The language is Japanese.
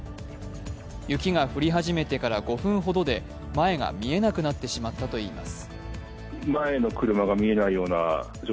雪が降り始めてから５分ほどで前が見えなくなってしまったといいます。